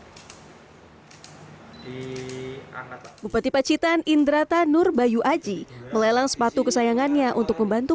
bupati pacitan indrata nur bayu aji melelang sepatu kesayangannya untuk membantu